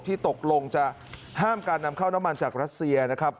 ตกลงจะห้ามการนำเข้าน้ำมันจากรัสเซียนะครับ